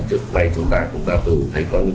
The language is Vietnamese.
trước đây chúng ta cũng đã bắt đầu diễn hiện